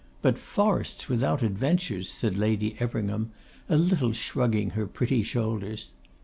'But forests without adventures!' said Lady Everingham, a little shrugging her pretty shoulders.